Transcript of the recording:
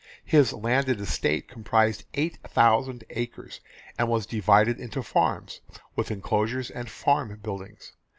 His landed estate comprised eight thousand acres, and was divided into farms, with enclosures and farm buildings.